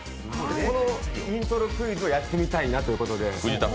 このイントロクイズをやってみたいなということで。